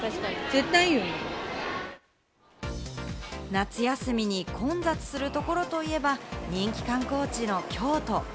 夏休みに混雑するところといえば、人気観光地の京都。